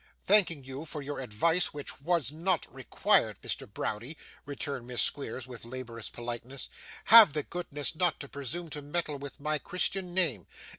'Thanking you for your advice which was not required, Mr. Browdie,' returned Miss Squeers, with laborious politeness, 'have the goodness not to presume to meddle with my Christian name.